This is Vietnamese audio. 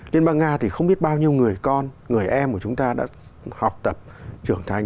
liên bang nga thì không biết bao nhiêu người con người em của chúng ta đã học tập trưởng thành